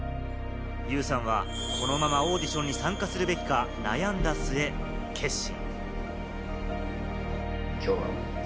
悠さんはこのままオーディションに参加するべきか悩んだ末、決心。